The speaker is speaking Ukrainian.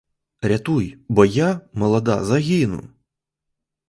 Рятуй, бо я, молода, загину!